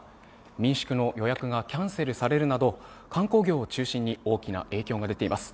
民宿の予約がキャンセルされるなど、観光業を中心に大きな影響が出ています。